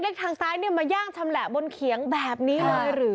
ทางซ้ายเนี่ยมาย่างชำแหละบนเขียงแบบนี้เลยหรือ